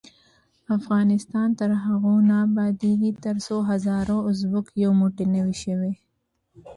افغانستان تر هغو نه ابادیږي، ترڅو هزاره او ازبک یو موټی نه وي شوي.